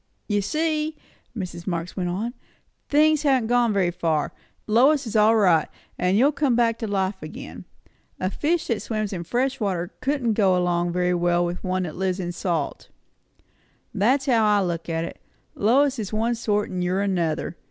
"You see," Mrs. Marx went on, "things haven't gone very far. Lois is all right; and you'll come back to life again. A fish that swims in fresh water couldn't go along very well with one that lives in the salt. That's how I look at it. Lois is one sort, and you're another.